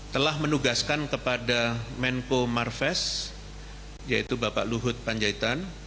telah menugaskan kepada menko marves yaitu bapak luhut panjaitan